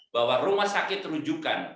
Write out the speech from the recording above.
bahwa rumah sakit terujukan